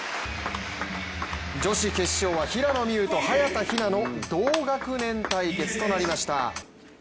女子決勝は平野美宇と早田ひなの同学年対決となりました。